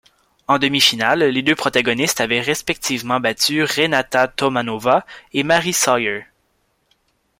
En demi-finale, les deux protagonistes avaient respectivement battu Renáta Tomanová et Mary Sawyer.